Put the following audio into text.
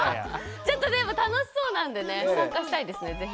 ちょっとでも楽しそうなんでね参加したいですね是非。